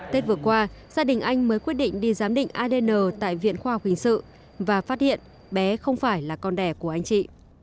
tết vừa qua gia đình anh mới quyết định đi giám định adn tại viện khoa học hình sự và phát hiện bé không phải là con đẻ của anh chị